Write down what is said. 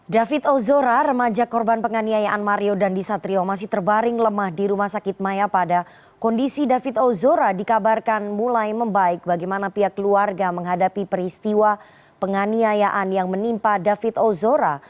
david ozora remaja korban penganiayaan mario dandisatrio masih terbaring lemah di rumah sakit maya pada kondisi david ozora dikabarkan mulai membaik bagaimana pihak keluarga menghadapi peristiwa penganiayaan yang menimpa david ozora